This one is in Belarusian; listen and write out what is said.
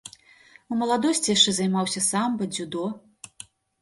У маладосці яшчэ займаўся самба, дзюдо.